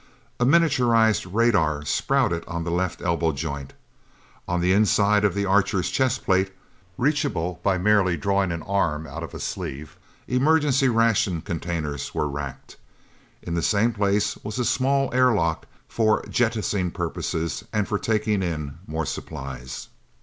A miniaturized radar sprouted on the left elbow joint. On the inside of the Archer's chest plate, reachable merely by drawing an arm out of a sleeve, emergency ration containers were racked. In the same place was a small airlock for jettisoning purposes and for taking in more supplies.